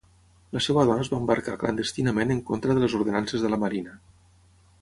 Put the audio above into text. La seva dona es va embarcar clandestinament en contra de les ordenances de la marina.